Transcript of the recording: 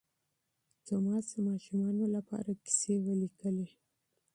توماس د ماشومانو لپاره کیسې ولیکلې.